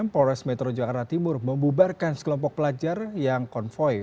polres metro jakarta timur membubarkan sekelompok pelajar yang konvoy